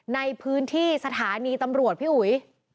ในพื้นที่สถานีตำรวจพี่อุ๋ย